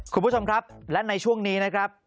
คุณผู้ชมครับและในช่วงนี้นะครับ